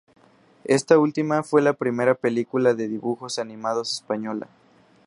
Esta última fue la primera película de dibujos animados española.